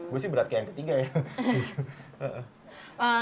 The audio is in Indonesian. gue sih berat kayak yang ketiga ya